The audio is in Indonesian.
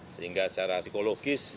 sehingga secara psikologis